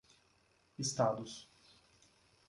Estados